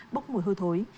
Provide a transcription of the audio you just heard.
bốc mùi hư thối